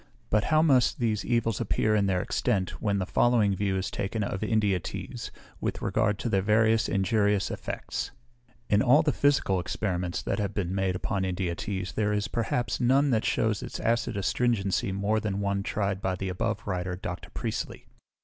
But how must these evils appear in their extent, when the following view is taken of India teas, with regard to their variety of injurious EFFECTS. In all the physical experiments that have been made upon India teas, there is, perhaps, none that shews its acid astringency more than one tried by the above writer, Dr. Priestley.